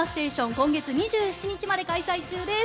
今月２７日まで開催中です。